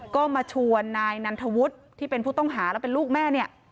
ก็มาชวนนายนันทวุฒิที่เป็นผู้ต้องหาแล้วเป็นลูกแม่เนี่ย